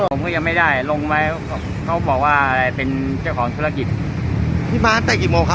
ผมก็ยังไม่ได้ลงไว้เขาบอกว่าอะไรเป็นเจ้าของธุรกิจพี่มาตั้งแต่กี่โมงครับ